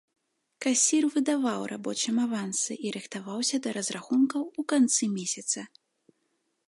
Касір выдаваў рабочым авансы і рыхтаваўся да разрахункаў у канцы месяца.